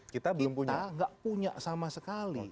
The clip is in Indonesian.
kita gak punya sama sekali